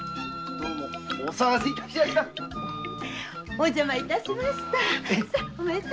お邪魔しました。